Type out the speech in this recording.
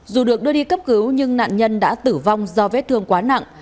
dù được đưa đi cấp cứu nhưng nạn nhân đã tử vong do vết thương quá nặng